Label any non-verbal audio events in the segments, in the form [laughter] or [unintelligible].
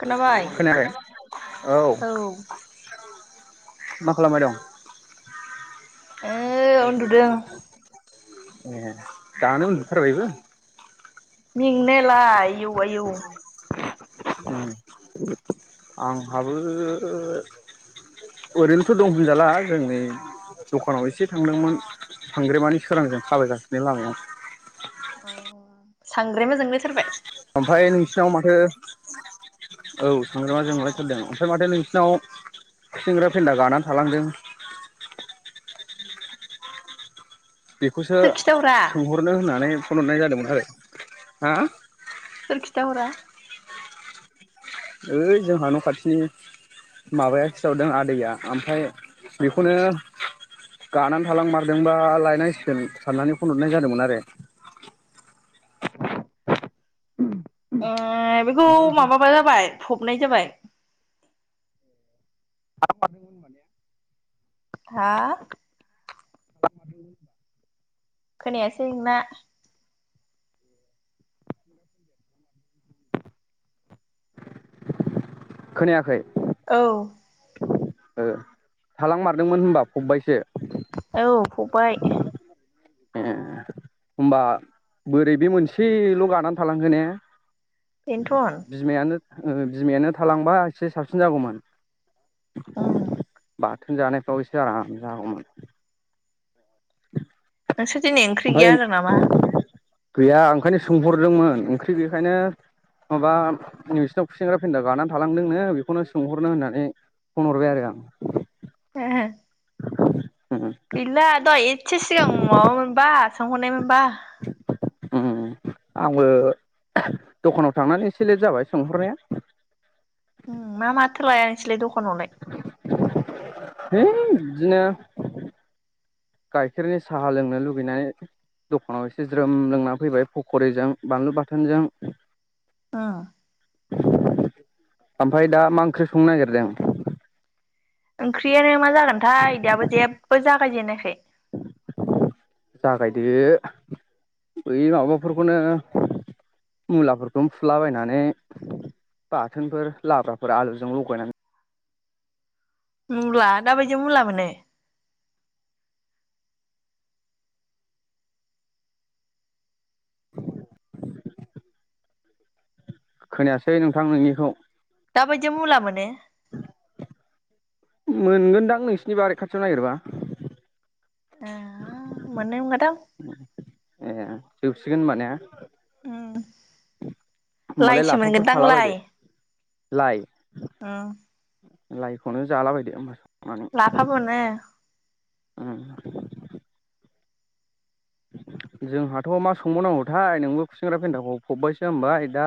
खोनाबाय खोनायाखै औ। मा खालामबाय दं? ओ उन्दु दों। ए दानो उन्दुथारबायबो? मेंनायालाय आयौ आयौ। उम। आंहाबो ओरैनोथ' दं होनजाला जोंनि दखानाव एसे थांदोंमोन सांग्रेमानि सोरांजों थाबायगासिनो लामायाव। सांग्रेमा जोंलायथारबाय? ओमफाय नोंसिनाव माथो औ सांग्रामा जोंलायथारदों ओमफ्राय माथो नोंसिनाव खुसेंग्रा फेन्दा गानानै थालांदों? बेखौसो सोर खिथाहरा सोंहरनो होननानै फनहरनाय जादोंमोन आरो। हा? सोरखिथा हरा? ओइ जोंहा न' खाथिनि माबाया खिथाहरदों आदैया ओमफ्राय बेखौनो गानानै थालां मारदोंबा लायनांसिगोन साननानै फनहरनाय जादोंमोन आरो। [unintelligible] बेखौ माबाबा जाबाय फबनाय जाबाय। [unintelligible] हा? [unintelligible] खोनायासै नोंना। खोनायाखै? औ। थालां मारदोंमोन होनबा? फबबबायसो औ फबबाय ए होनोमबा बोरै बे मोनसेल' गानानै थालांखो ने? पेन्थन बिमायानो ओ बिमायानो थालांबा एसे साबसिन जागौमोन। उम बाथोन जानायफ्राव एसे आराम जागौमोन। नोंसोर दिनै ओंख्रि ओमफ्राय गैया होनदों नामा? गैया ओंखायनो सोंहरदोंमोन ओंख्रि गैयैखायनो माबा नोंसिनाव खुसेंग्रा फेनदा गानानै थालांदोंनो बेखौनो सोंहरनो होननानै फन हरबाय आरो आं। हे हे [inaudible] गैला दहाय इदसे सिगां माबा मोनबा। सों हरनाय मोनबा। बा उम आंबो, दखानाव थांनानै एसे लेट जाबाय सोंहरनाया। मा माथ लाया? नोंसोरलाय दखानावलाय। हो बिदिनो गाइखेरनि साहा लोंनो लुगैनानै, दखानाव एसे ज्रोम लोंना फैबाय फख'रिजों बानलु बाथोनजों। [unintelligible] ओमफ्राय दा मा ओंख्रि संनो नागिरदों? ओंख्रियानो मा जागोनथाय? दाबो जेबो जागायजेनायखोय। जागायदो, बै माबाफोरखौनो, मुलाफोरखौनो फुलाबायनानै, बाथोनफोर लाब्राफोर आलुजों लगायनानै। मुला दाबायदि मुला मोनो? खोनायासै नोंथां नोंनिखौ। दाबायदि मुला मोनो? मोनगोनदां नोंसिनि बारि खाथियाव नागिरबा। आ मोननाय नोंला दां। ए जोबसिगोन होनबा ने उ होमबालाय लाफाफोर खालाबायदो, लाइ उम लाइखौनो जाला बायदो होमबा। संनानै लाभा मोनो। जोंहाथ' मा संबावनांगौथाय? नोंबो खुसेंग्रा फेन्दाखौ फबबायसो होनबाय दा।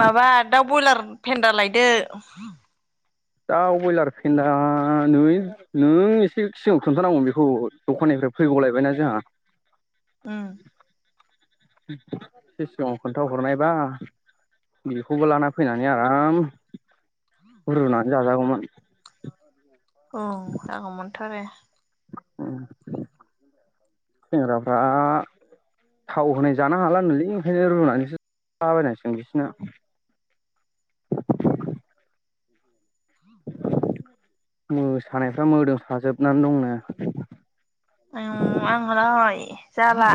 माबा दाउ ब्रयलार फेन्दा लायदो। दा बयलार फेन्दा न नों एसे सिगांआव खिन्थानांगौमोन बेखौ दखाननिफ्राय फैगलायबायना जोंहा। उम [unintelligible] [unintelligible] [unintelligible] औ जागौउ मोन थ आरो। औ। सेंग्राफ्रा थाव होनाय जानो हाला नलै, ओंखायनो रुनानैसो जालाबायनांसिगोन बिसना मोसानायफ्रा मोदोमसाजोबनानै दंनो। ओम [inaudible] आं जला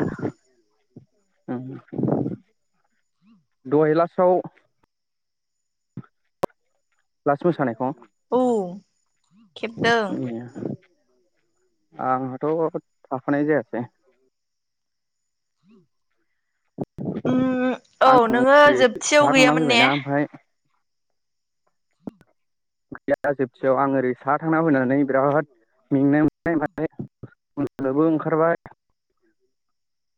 दहाय लासाव लास मोसानायखौ औ खेबदों आंहाथ' थाफानाय जायासै [inaudible] औ आं नोङो ओरै जोबथियाव गैयामोन ने जोबथियाव आं ओरै साहा थांना फैनानै बिराद मेंनाय मोननायनोबो [inaudible] ओंखारबाय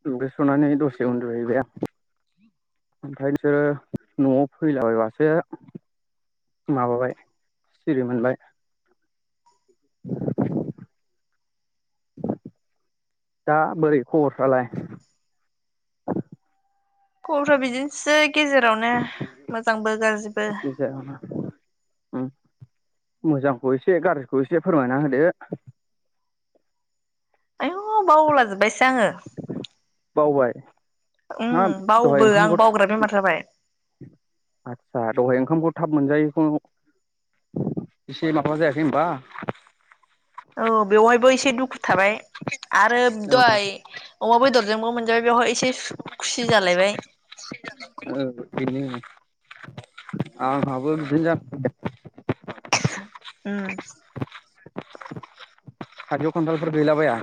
दुगैस'नानै दसे उन्दुहैबाय आं ओमफ्राय बिसोरो न'आव फैलाबायबासो माबाबाय सिरि मोनबाय दा बोरै हर जालाय खबरा बिदिनोसै। गेजेरावनो मोजांबो गाज्रिबो। गेजेरावनो उम मोजांखौ एसे गाज्रि खौ एसे फोरमायना होदो। आयौ बावलाजोबबायसो आङो। बावबाय। उम हाब दहाय बावबो आं ओंखामखौ बावग्रा बेमार जाबाय दहाय ओंखामखौ थाब मोनजाय एसे माबा जायाखै होनबा। औ बेवहायबो एसे दुखु थाबाय आरो ओ दहाय अमा बेदरजोंबो मोनजाबाय बेवहाय एसे खुसि जालायबाय। ओ बेनो आंहाबो [inaudible] उम। थाइजौ खन्थालफोर गैला बाया।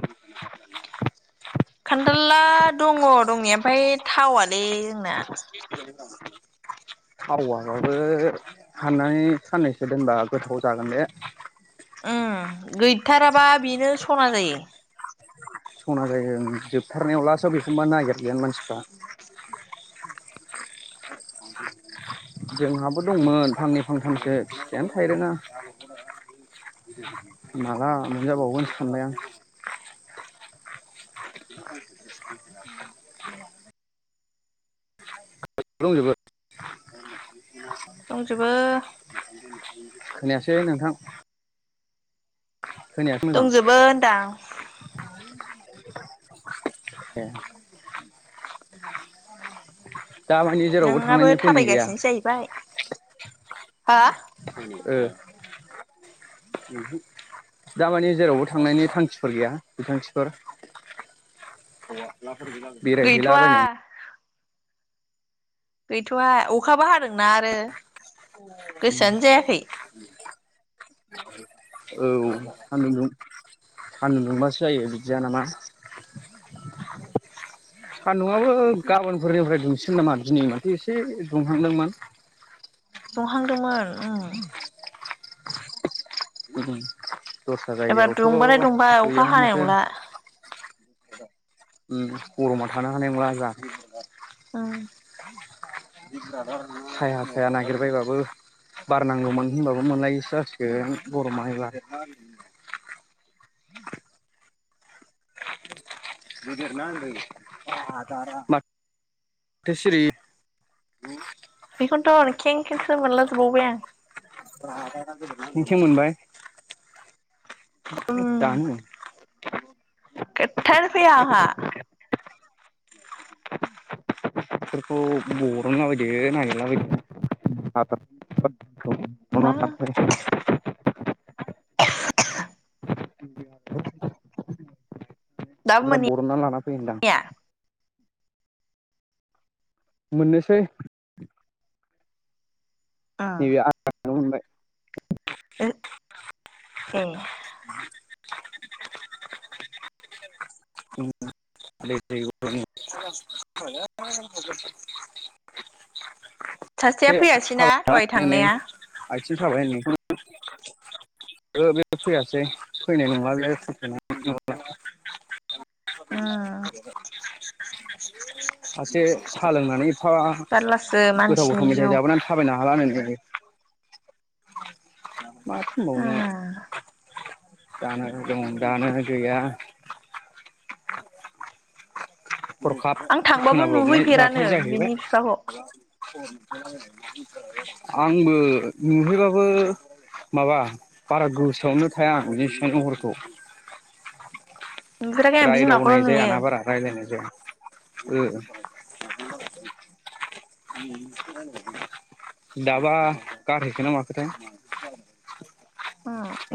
खान्थाल दङ दंनाय ओमफ्राय थावलै जोंना। थावआबो हाननानै साननैसो दोनबा गोथाव जागोन दे। उम गैयथाराबा बेनो सना जायो। सना जायो जोबथारनायाव लासो बेखौबा नागिरो मानसिफ्रा। जोंहाबो दंमोन फांनै फांथामसो फिथायानो थायनो रोआ माला मोनजाबावगोनो सानबाय आं। दंजोबो। दंजोबो। खोनायासै नोंथां। खोनायासै मोजां दंजोबो होनदां। ए। दा जेरावबो नोंहाबो थांनानै फ्लेनि गैया? थाबायगासिनोसो जाहैबाय हा ओ दामानि जेरावबो थांनायनि खान्थिफोर गैया बिथांखिफोर गैथ'वा बेरायहैलाबायनो। गैथ'आ अखाबो हादोंना आरो। गोसोआनो जायाखै। औ सान्दुं दुं सान्दुं दुंबासो जायो बिदिया नामा सान्दुंआबो गाबोनफोरनिफ्राय दुंसिगोन नामा दिनै माथो एसे दुंहांदोंमोन। दुंहांदोंमोन उम। उम [inaudible] दस्रा एबार दुंबाथाय जायगायावथ' दुंबाय अखा गैया हानाय माथो। नंला गरमा थानो हानाय नंला। उम। साया साया नागिरबायबाबो बार नांगौमोन होनबाबो मोनलायिसो जासिगोन। [inaudible] [inaudible] [inaudible] [unintelligible] बेखौनोथ' खें खेंसो मोनलाजोबावबाय आं नथिं मोनबाय उम दानो [unintelligible] खोथायानो फैया आंहा बेफोरखौ बरनला बायदो नागिरलाबायदो मा [unintelligible] दाबो मफ्राय बरनना लाना फै होनदां मोनहैया मोननोसै ओ न मोनबाय ए दै सासेया फैयासैना दहाय थांनाया सि थाबाय होनखौ बे फैयासै फैनाय नङा बे नङा उम [unintelligible] सासे साहा लोंनानै आ जारलासो गोथाव मानसिनि गोथाव मेथाइ जिउ उम जाबोनानै थाबायनो हाला नो [unintelligible] [unintelligible] दानो दं दानो गैया हरखाब आं थांबाबो खोनाब्रबनाय नुहैफेरानो जाथाय जाहैबाय बिनि बिफाखौ आंबो नुहैबाबो माबा बारा गोसोआवनो थाया आं जेसिबां न हरखौ नुफेराखै आं बिमाखौल' रायदावनाय नुयो जायाना बारा रायलायनाय जाया उ दाबा गारहैखोना ना माखोथाय?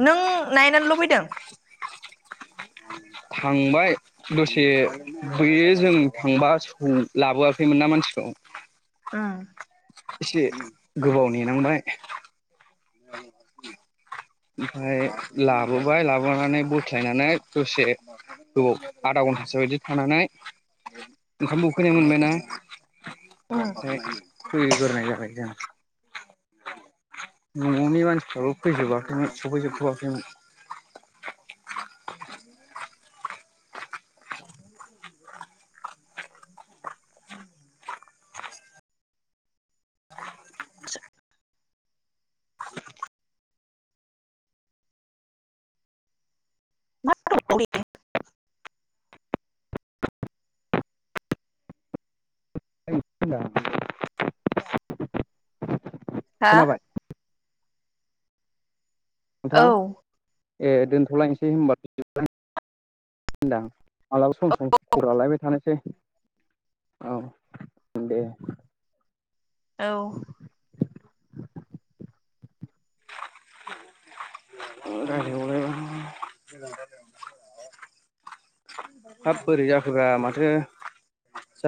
नों नायनानो लुबैदों थांबाय दसे बे जों थांबा लाबोआखैमोन ना मानसिखौ उं एसे गोबाव नेनांबाय ओमफफाय लाबोबाय लाबोनानै बोख्लायनानै दसे गोबाव आधा घन्टासो बायदि थानानै ओंखामबो उखैनाय मोनबायना उम [unintelligible] फैगोरनाय जानायसै आं ननि मानसिफ्राबो फैजोबाखैमोन सफैजोबथयाखैमोन [unintelligible] [unintelligible] मा [unintelligible] हा खोनाबाय? नोंथां औ ए दोनथलायसै होनबा [unintelligible] होनदां मालाबा सम सम खबर लालायबाय थानोसै औ दे औ [unintelligible] बोरै जाखोब्रा माथो